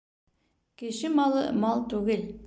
Кеше малы мал түгел